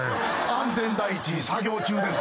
安全第一作業中です。